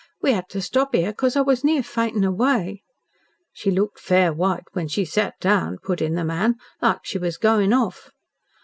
We 'ad to stop 'ere 'cos I was near fainting away." "She looked fair white when she sat down," put in the man. "Like she was goin' off."